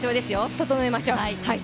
整えましょう。